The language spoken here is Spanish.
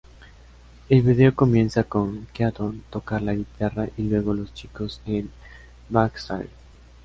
El vídeo comienza con Keaton tocar la guitarra y luego los chicos en backstage.